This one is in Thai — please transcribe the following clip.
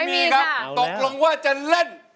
ตกลงว่าจะเล่น